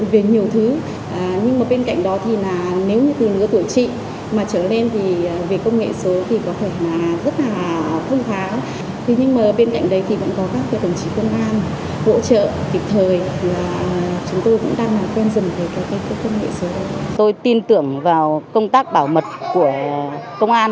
về an ninh mạng